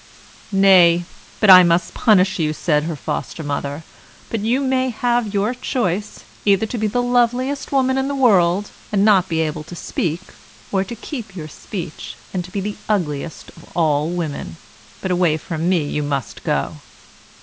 "Nay! but I must punish you!" said her Foster mother; "but you may have your choice, either to be the loveliest woman in the world, and not to be able to speak, or to keep your speech, and to be the ugliest of all women; but away from me you must go."